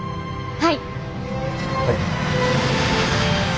はい！